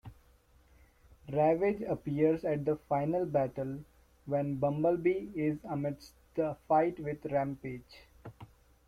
Ravage appears at the final battle, when Bumblebee is amidst the fight with Rampage.